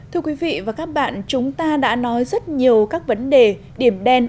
thưa quý vị và các bạn chúng ta đã nói rất nhiều các vấn đề điểm đen